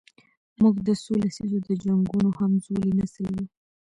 موږ د څو لسیزو د جنګونو همزولی نسل یو.